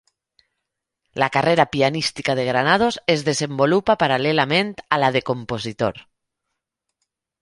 La carrera pianística de Granados es desenvolupa paral·lelament a la de compositor.